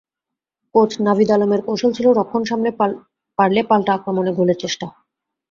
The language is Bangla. কোচ নাভিদ আলমের কৌশল ছিল রক্ষণ সামলে পারলে পাল্টা-আক্রমণে গোলের চেষ্টা।